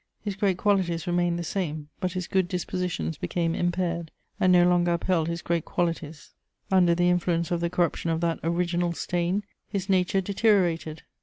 His great qualities remained the same, but his good dispositions became impaired and no longer upheld his great qualities: under the influence of the corruption of that original stain his nature deteriorated.